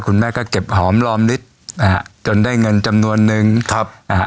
คุณแม่ก็เก็บหอมลอมนิดจนได้เงินจำนวนนึงครับ